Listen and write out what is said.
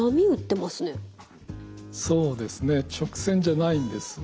そうですね直線じゃないんです。